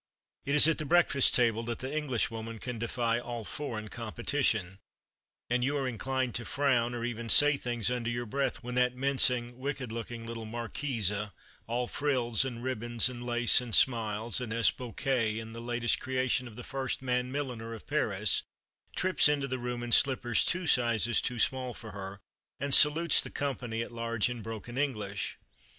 It is at the breakfast table that the Englishwoman can defy all foreign competition; and you are inclined to frown, or even say things under your breath, when that mincing, wicked looking little Marquise, all frills, and ribbons, and lace, and smiles, and Ess Bouquet, in the latest creation of the first man milliner of Paris, trips into the room in slippers two sizes too small for her, and salutes the company at large in broken English.